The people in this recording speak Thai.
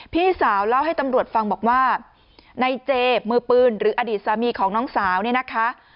พี่สาวเล่าให้ตำรวจฟังบอกว่าในเจมือปืนหรืออดีตสามีของน้องสาวเนี่ยนะคะ